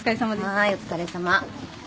はいお疲れさま。